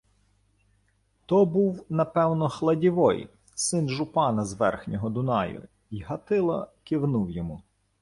То був, напевно, Хладівой, син жупана з верхнього Дунаю, й Гатило кивнув йому.